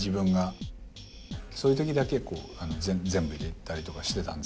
そういうときだけ全部入れたりとかしてたんですけど。